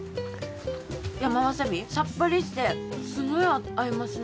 山ワサビさっぱりしてすごい合いますね。